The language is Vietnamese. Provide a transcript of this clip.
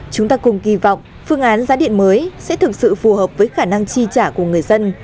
chúng ta cùng kỳ vọng phương án giá điện mới sẽ thực sự phù hợp với khả năng chi trả của người dân